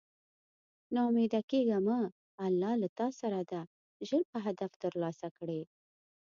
نا اميده کيږه مه الله له تاسره ده ژر به هدف تر لاسه کړی